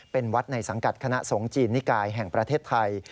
เป็นวัดในสังกัดคณะสงฆ์จีนนิกายแห่งประเทศไทย